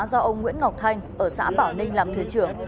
do ông nguyễn ngọc thanh ở xã bảo ninh làm thuyền trưởng